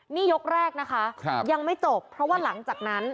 นี่ยกแรกนะคะยังไม่จบเพราะว่าหลังจากนั้น